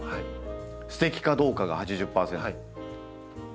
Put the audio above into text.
「ステキかどうか」が８０％。